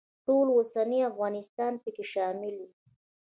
ټول اوسنی افغانستان پکې شامل و.